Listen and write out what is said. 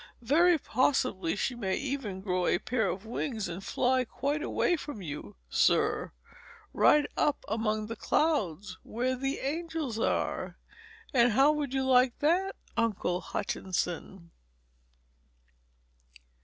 Very possibly she may even grow a pair of wings and fly quite away from you, sir right up among the clouds, where the other angels are! And how would you like that, Uncle Hutchinson?"